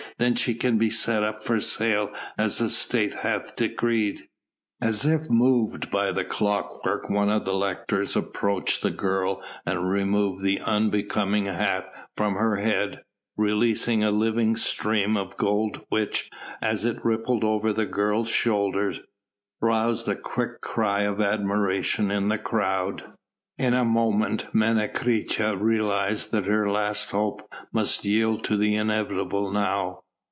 Then she can be set up for sale as the State hath decreed." As if moved by clockwork one of the lictors approached the girl and removed the unbecoming hat from her head, releasing a living stream of gold which, as it rippled over the girl's shoulders, roused a quick cry of admiration in the crowd. In a moment Menecreta realised that her last hope must yield to the inevitable now.